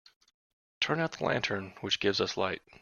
Turn out the lantern which gives us light.